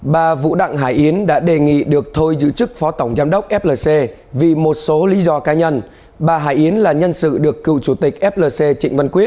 các bạn hãy đăng ký kênh để ủng hộ kênh của chúng mình nhé